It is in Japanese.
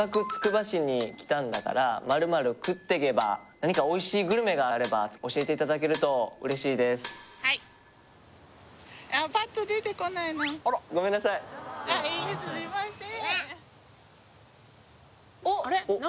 何かおいしいグルメがあれば教えていただけると嬉しいですごめんなさいいいえすみません